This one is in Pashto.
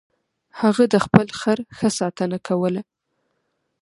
هغه د خپل خر ښه ساتنه کوله.